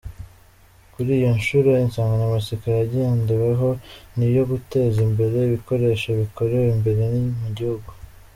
Kuri iyi nshuro, insanganyamatsiko yagendeweho ni iyo guteza imbere ibikoresho bikorewe imbere mu gihugu.